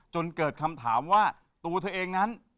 จนเกิดคำถามว่าตัวเธอเองนั้น